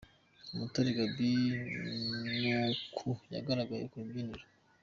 "Umutare Gaby ni uku yagaragaye ku rubyiniro.